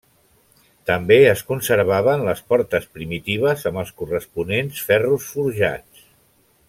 També es conservaven les portes primitives amb els corresponents ferros forjats.